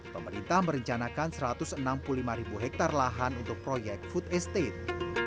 pemerintah merencanakan satu ratus enam puluh lima ribu hektare lahan untuk proyek food estate